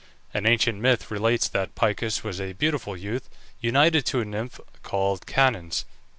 An ancient myth relates that Picus was a beautiful youth, united to a nymph called Canens.